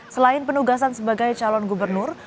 selain penugasan sebagai calon gubernur